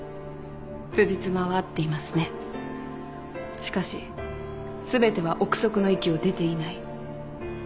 しかし全ては臆測の域を出ていない。